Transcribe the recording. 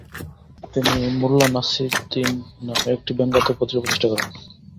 তিনি Mullah Nasreddin নামে একটি ব্যঙ্গাত্মক পত্রিকা প্রতিষ্ঠা করেন।